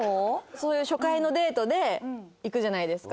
そういう初回のデートで行くじゃないですか。